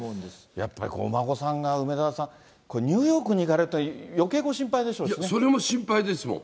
やっぱりお孫さんが、梅沢さん、ニューヨークに行かれると、それも心配ですもん。